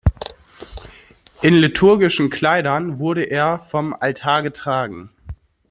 In liturgischen Kleidern wurde er vom Altar getragen.